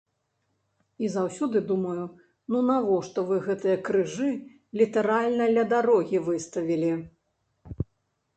І заўсёды думаю, ну навошта вы гэтыя крыжы літаральна ля дарогі выставілі?